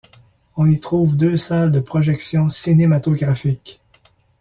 On y trouve deux salles de projection cinématographique.